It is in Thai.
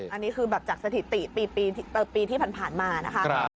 อันนี้คือแบบจากสถิติปีที่ผ่านมานะคะ